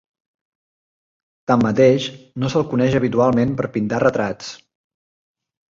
Tanmateix, no se'l coneix habitualment per pintar retrats.